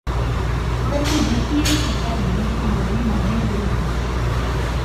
परंतु युपीए सरकारने ही मागणी मान्य केली नाही.